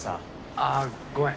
あっごめん。